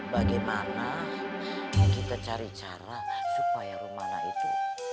bagaimana kita cari cara supaya rumah itu